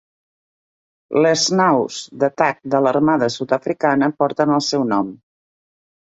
Les naus d'atac de l'armada sud-africana porten el seu nom.